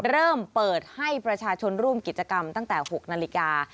เริ่มเปิดให้ประชาชนร่วมกิจกรรมตั้งแต่๖นาฬิกา